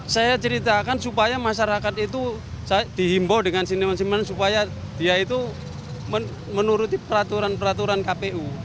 saya ceritakan supaya masyarakat itu dihimbau dengan seniman seniman supaya dia itu menuruti peraturan peraturan kpu